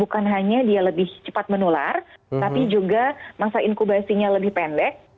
bukan hanya dia lebih cepat menular tapi juga masa inkubasinya lebih pendek